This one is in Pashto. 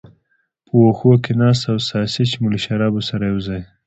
په وښو کې ناست او ساسیج مو له شرابو سره یو ځای.